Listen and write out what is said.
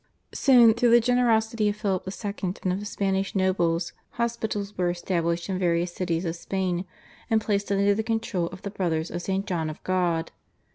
Soon through the generosity of Philip II. and of the Spanish nobles hospitals were established in various cities of Spain, and placed under the control of the Brothers of St. John of God.